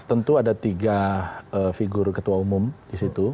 tentu ada tiga figur ketua umum di situ